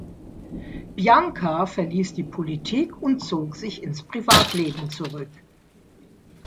Bianca verließ die Politik und zog sich ins Privatleben zurück.